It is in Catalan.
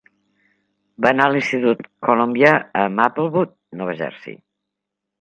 Va anar a l'Institut Columbia a Maplewood, Nova Jersey.